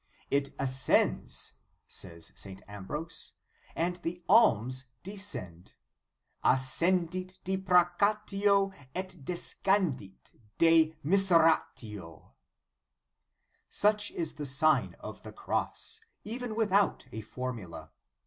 "It ascends," says St. Ambrose, "and the alms descend." Ascendit deprecatid et descendit Dei miseratw. Such is the Sign of the Cross, even without a formula.